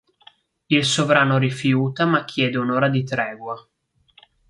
Il sovrano rifiuta ma chiede un'ora di tregua.